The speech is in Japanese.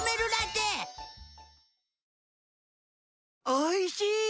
おいしい！